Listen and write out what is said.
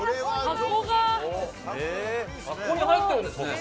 箱に入ってるんですね。